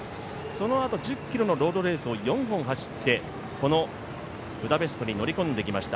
そのあと１０ｋｍのロードレースを４本走ってこのブダペストに乗り込んできました。